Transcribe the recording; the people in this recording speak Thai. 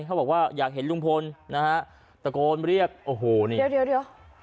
เขาบอกว่าอยากเห็นลุงพลนะฮะตะโกนเรียกโอ้โหนี่เดี๋ยวเดี๋ยว